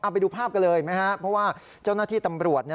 ไปดูภาพกันเลยไหมครับเพราะว่าเจ้าหน้าที่ตำรวจ